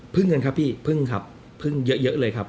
พึ่งเงินครับพี่พึ่งครับเยอะเลยครับ